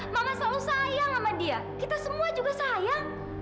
maka selalu sayang sama dia kita semua juga sayang